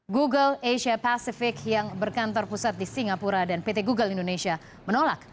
google asia pacific yang berkantor pusat di singapura dan pt google indonesia menolak